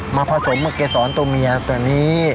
ผสมมาเกษรตัวเมียตัวนี้